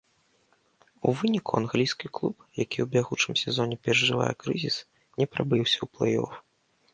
У выніку англійскі клуб, які ў бягучым сезоне перажывае крызіс, не прабіўся ў плэй-оф.